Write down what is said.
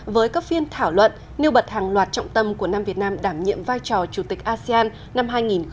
với các phiên thảo luận nêu bật hàng loạt trọng tâm của năm việt nam đảm nhiệm vai trò chủ tịch asean năm hai nghìn hai mươi